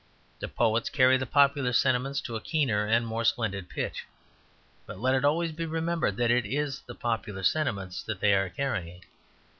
The Poets carry the popular sentiments to a keener and more splendid pitch; but let it always be remembered that it is the popular sentiments that they are carrying.